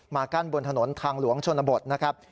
กั้นบนถนนทางหลวงชนบทนะครับ